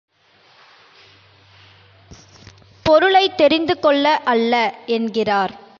பொருளைத் தெரிந்துகொள்ள அல்ல என்கிறார்.